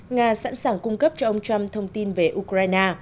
nga sẵn sàng cung cấp cho ông trump thông tin về ukraine